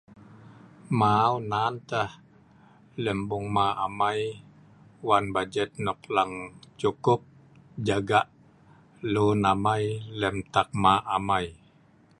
mau nan teh lem bongmah' amei wan bajet nok lang cukup jaga lun amei lem takmah' amei